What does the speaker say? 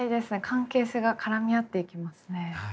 関係性が絡み合っていきますね。